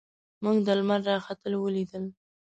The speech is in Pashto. موږ د لمر راختل ولیدل.